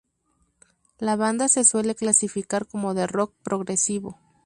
La banda se suele clasificar como de rock progresivo.